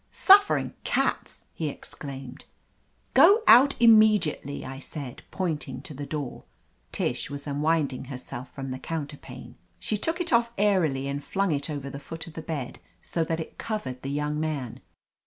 "Suffering cats!" he exclaimed. Go out immediately!" I said, pointing to the door. Tish was unwinding herself from the counterpane. She took it off airily and fltmg it over the foot of the bed, so that it covered the young man.